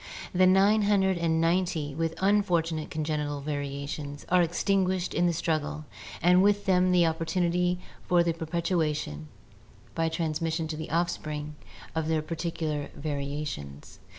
The nine hundred and ninety with un fortunate congenital variations are extinguished in the struggle and with them the opportunity for the perpetuation (by trans mission to the offspring) of their particular variations.